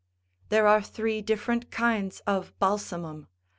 There are three different kinds of balsamum.